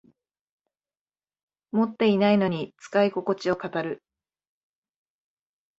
持ってないのに使いここちを語る